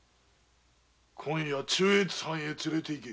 今夜中越藩へ連れて行け！